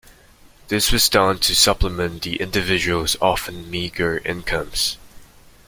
This was done to supplement the individual's often meager incomes.